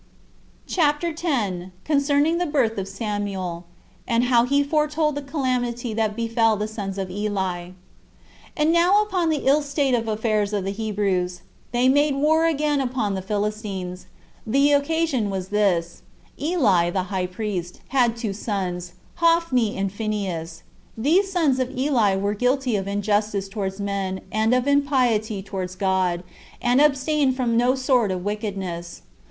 CHAPTER 10. Concerning The Birth Of Samuel; And How He Foretold The Calamity That Befell The Sons Of Eli. 1. And now upon the ill state of the affairs of the Hebrews, they made war again upon the Philistines. The occasion was this: Eli, the high priest, had two sons, Hophni and Phineas. These sons of Eli were guilty of injustice towards men, and of impiety towards God, and abstained from no sort of wickedness.